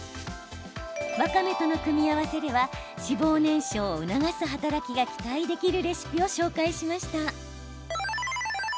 わかめとの組み合わせでは脂肪燃焼を促す働きが期待できるレシピを紹介しました。